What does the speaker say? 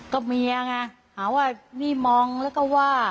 ก็เมียไงหาว่านี่มองแล้วก็ว่า